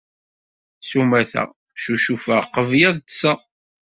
S umata, ccucufeɣ qbel ad ṭṭseɣ.